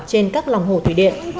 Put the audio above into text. trên các lòng hồ thủy điện